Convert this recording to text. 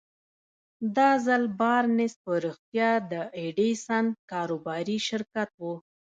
دا ځل بارنس په رښتيا د ايډېسن کاروباري شريک و.